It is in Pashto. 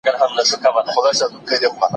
هیڅوک نسي کولای د بل چا ملکیت په زوره غصب کړي.